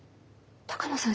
鷹野さん